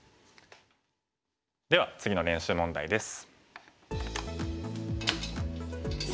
では次の練習問題です。